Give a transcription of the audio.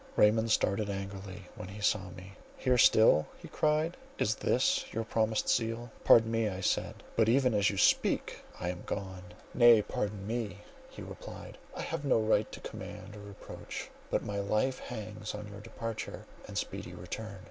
Raymond started angrily when he saw me. "Here still?" he cried. "Is this your promised zeal?" "Pardon me," I said, "but even as you speak, I am gone." "Nay, pardon me," he replied; "I have no right to command or reproach; but my life hangs on your departure and speedy return.